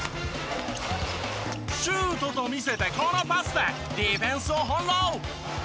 シュートと見せてこのパスでディフェンスを翻弄！